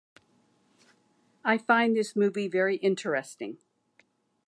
I find this movie very interesting.